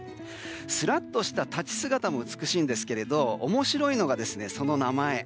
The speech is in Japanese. すらっとした立ち姿も美しいんですけれど面白いのが、その名前。